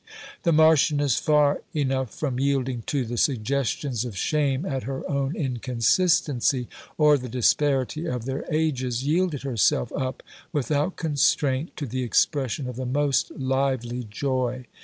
The Marchioness, far enough from yielding to the suggestions of shame at her own inconsistency, or the disparity of their ages, yielded herself up without constraint to the expression of the most lively joy.